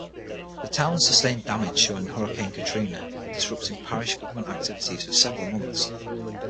The town sustained damage during Hurricane Katrina, disrupting parish government activities for several months.